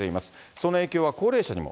その影響は高齢者にも。